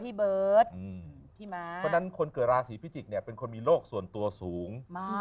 เพราะฉะนั้นคนเกิดราศีพิจิกเนี่ยเป็นคนมีโลกส่วนตัวสูงมาก